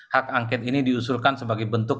hak angket ini diusulkan sebagai bentuk